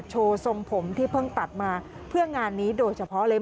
ทรงผมที่เพิ่งตัดมาเพื่องานนี้โดยเฉพาะเลย